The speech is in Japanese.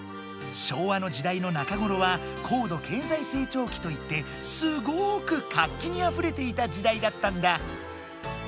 昭和の時代の中ごろは高度経済成長期と言ってすごく活気にあふれていた時代だったんだ。